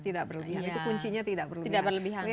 tidak berlebihan itu kuncinya tidak berlebihan